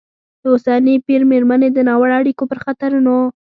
د اوسني پېر مېرمنې د ناوړه اړیکو پر خطرونو